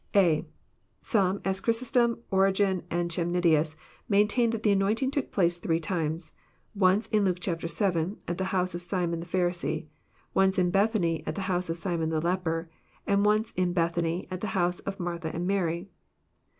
(a) Some, as Chrysostom, Origen, and Chemnitius, maintain that the anointing took place three times : once, in Luke vii., at the honse of Simon the Pharisee ; once in Bethany, at the honse of Simon the leper ; and once in Bethany, at the honse of Mar tha and Mary.